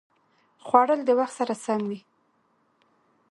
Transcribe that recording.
خوړل د وخت سره سم وي